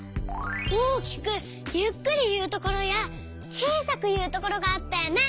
大きくゆっくりいうところやちいさくいうところがあったよね。